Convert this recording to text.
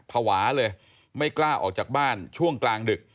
ภาวะเลยไม่กล้าออกจากบ้านช่วงกลางดึก